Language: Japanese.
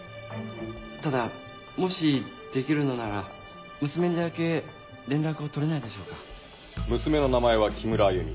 ただもしできるのなら娘にだけ連絡を取れないでしょうか娘の名前は木村あゆみ